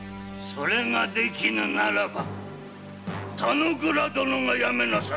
それが出来ぬならば田之倉殿が辞めなされ。